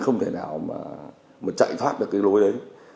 không thể nào mà chạy thoát được cái lối đấy